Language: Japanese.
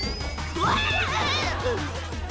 うわ！